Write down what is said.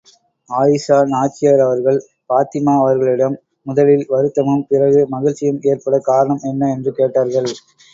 ஆயிஷா நாச்சியார் அவர்கள், பாத்திமா அவர்களிடம் முதலில் வருத்தமும், பிறகு மகிழ்ச்சியும் ஏற்படக் காரணம் என்ன? என்று கேட்டார்கள்.